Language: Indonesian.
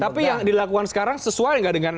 tapi yang dilakukan sekarang sesuai nggak dengan